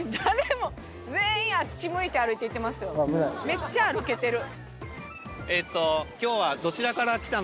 めっちゃ歩けてる。